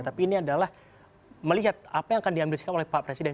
tapi ini adalah melihat apa yang akan diambil sikap oleh pak presiden